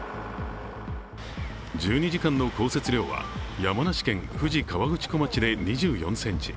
１２時間の降雪量は山梨県富士河口湖町で２４ｃｍ